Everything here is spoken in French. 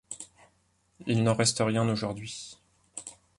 Il n'en reste rien aujourd'hui.